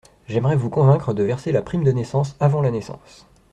J’aimerais vous convaincre de verser la prime de naissance avant la naissance.